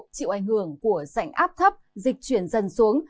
chịu ảnh hưởng của sảnh áp thấp dịch chuyển dần xuống